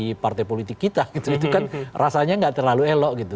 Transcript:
di partai politik kita gitu itu kan rasanya nggak terlalu elok gitu